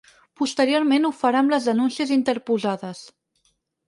Posteriorment ho farà amb les denúncies interposades.